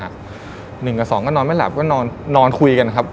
หนึ่งกับสองก็นอนไม่หลับก็นอนคุยกันครับ